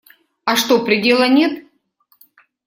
А что, предела нет?